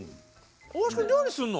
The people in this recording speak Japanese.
大橋君料理すんの？